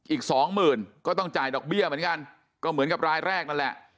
อีกสองหมื่นก็ต้องจ่ายดอกเบี้ยเหมือนกันก็เหมือนกับรายแรกนั่นแหละ